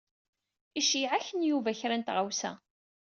Iceyyeɛ-ak-n Yuba kra n tɣawsa.